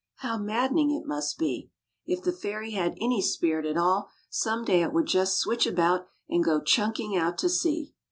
How maddening it must be. If the ferry had any spirit at all, some day it would just switch about and go chunking out to sea.